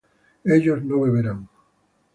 ellos no beberán